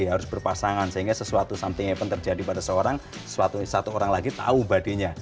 harus berpasangan sehingga sesuatu something event terjadi pada seorang satu orang lagi tahu bodynya